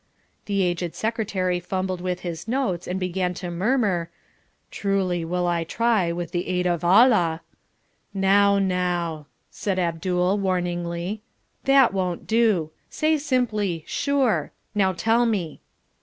The aged Secretary fumbled with his notes and began to murmur "Truly will I try with the aid of Allah " "Now, now," said Abdul, warningly, "that won't do. Say simply 'Sure.' Now tell me."